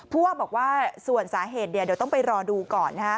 ผู้ว่าบอกว่าส่วนสาเหตุเดี๋ยวต้องไปรอดูก่อน